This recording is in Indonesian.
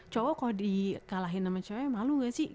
cowok kalo dikalahin sama cewek malu ga sih